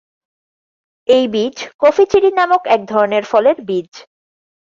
এই বীজ coffee cherry নামক এক ধরনের ফলের বীজ।